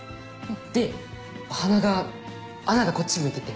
で鼻が穴がこっち向いてて。